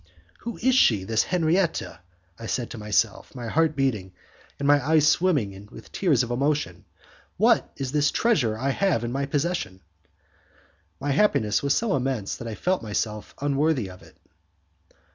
"Who is she, this Henriette?" I said to myself, my heart beating, and my eyes swimming with tears of emotion, "what is this treasure I have in my possession?" My happiness was so immense that I felt myself unworthy of it.